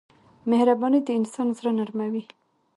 مهرباني د انسان زړه نرموي.